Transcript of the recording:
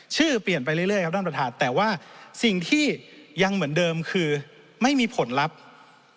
ชื่อเปลี่ยนไปเรื่อยครับท่านประธานแต่ว่าสิ่งที่ยังเหมือนเดิมคือไม่มีผลลัพธ์